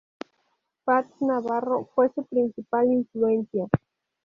Fats Navarro fue su principal influencia.